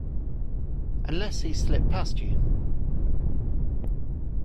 Unless he's slipped past you.